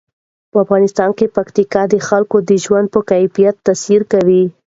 په افغانستان کې پکتیکا د خلکو د ژوند په کیفیت تاثیر کوي.